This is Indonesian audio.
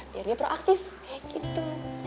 biar dia proaktif kayak gitu